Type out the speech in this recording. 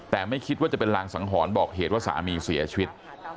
แต่ไม่คิดว่าจะเป็นรางสังหรณ์บอกเหตุว่าสามีเสียชีวิต